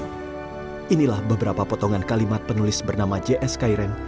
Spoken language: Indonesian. dan inilah beberapa potongan kalimat penulis bernama js kyren